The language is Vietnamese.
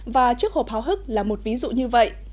và chiếc hộp hào hức là một ví dụ như vậy